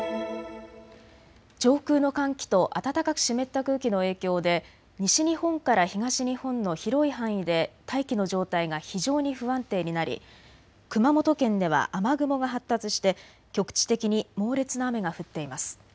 上空の寒気と暖かく湿った空気の影響で西日本から東日本の広い範囲で大気の状態が非常に不安定になり熊本県では雨雲が発達して局地的に猛烈な雨が降っています。